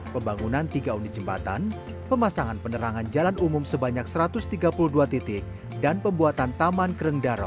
pembangunan tiga unit jembatan pemasangan penerangan jalan umum sebanyak satu ratus tiga puluh dua titik dan pembuatan taman kereng daro